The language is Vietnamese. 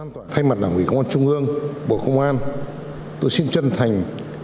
thay mặt đảng ủy công an trung ương bộ công an tôi xin chân thành